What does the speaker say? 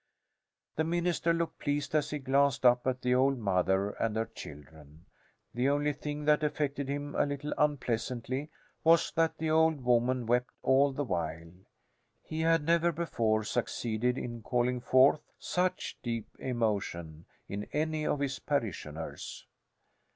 The minister looked pleased as he glanced up at the old mother and her children. The only thing that affected him a little unpleasantly was that the old woman wept all the while. He had never before succeeded in calling forth such deep emotion in any of his parishioners.